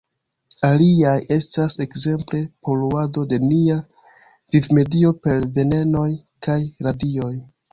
Aliaj estas ekzemple poluado de nia vivmedio per venenoj kaj radioj.